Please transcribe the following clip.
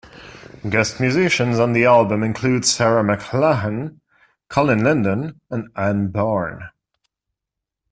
Guest musicians on the album include Sarah McLachlan, Colin Linden and Anne Bourne.